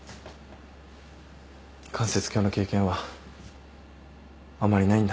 関節鏡の経験はあまりないんだ。